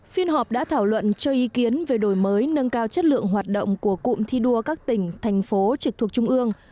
phiên họp đã thảo luận cho ý kiến về đổi mới nâng cao chất lượng hoạt động của cụm thi đua các tỉnh thành phố trực thuộc trung ương